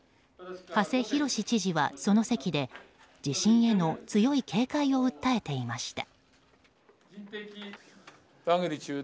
馳浩知事は、その席で地震への強い警戒を訴えていました。